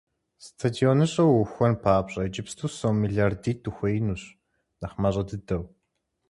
СтадионыщӀэ уухуэн папщӀэ иджыпсту сом мелардитӀ ухуеинущ, нэхъ мащӀэ дыдэу.